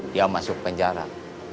dia masuk penjara